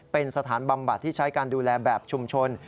เป็นสถานบำบัดที่ใช้การดูแลแบบชุมชน